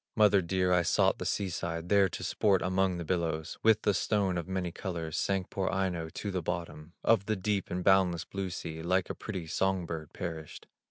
"Mother dear, I sought the sea side, There to sport among the billows; With the stone of many colors, Sank poor Aino to the bottom Of the deep and boundless blue sea, Like a pretty song bird perished.